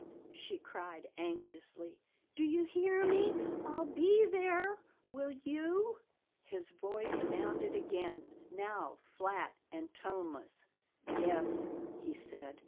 she cried anxiously. "Do you hear me? I'll be there. Will you?" His voice sounded again, now flat and toneless. "Yes," he said.